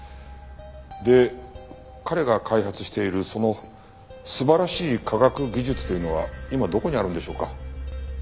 で彼が開発しているその素晴らしい科学技術というのは今どこにあるんでしょうか？